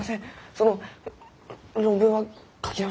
その論文は書き直します。